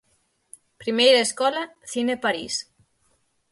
Primeira escola, cine París.